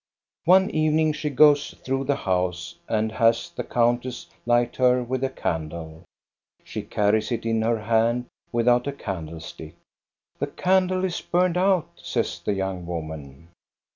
One evening she goes through the house and has the countess light her with a candle. She carries it in her hand without a candle stick. PENITENCE 275 " The candle is burned out," says the young woman.